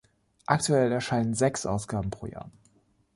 Aktuell erscheinen sechs Ausgaben pro Jahr.